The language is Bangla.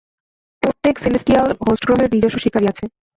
প্রত্যেক সেলেস্টিয়াল হোস্ট গ্রহের নিজস্ব শিকারী আছে।